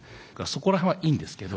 そこら辺はいいんですけど。